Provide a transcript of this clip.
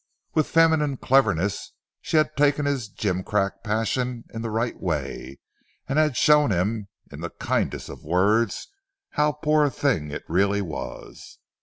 With feminine cleverness she had taken his gimcrack passion in the right way, and had shown him in the kindest of words, how poor a thing it really was.